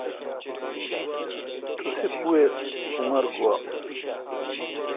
تسی پو اؘ عمر گوا۔